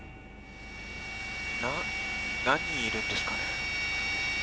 何人いるんですかね？